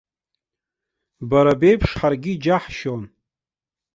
Бара беиԥш, ҳаргьы иџьаҳшьон.